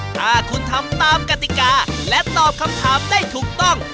ถ้าคุณทำตามกติกาและตอบคำถามได้ถูกต้อง